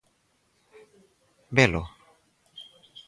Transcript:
Velo?